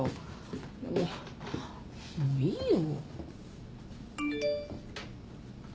もうもういいよ。